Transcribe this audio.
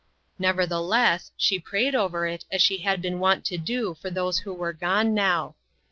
Nevertheless, she prayed over it as she had been wont to do for those who were gone now.